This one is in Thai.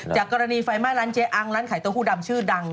กรณีไฟไหม้ร้านเจ๊อังร้านขายเต้าหู้ดำชื่อดัง